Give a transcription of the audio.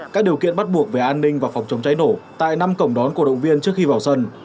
các điều kiện bắt buộc về an ninh và phòng chống cháy nổ tại năm cổng đón cổ động viên trước khi vào sân